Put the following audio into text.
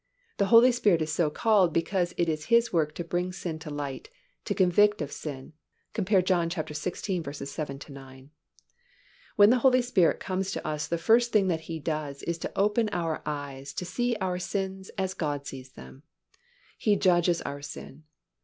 The Holy Spirit is so called because it is His work to bring sin to light, to convict of sin (cf. John xvi. 7 9). When the Holy Spirit comes to us the first thing that He does is to open our eyes to see our sins as God sees them. He judges our sin.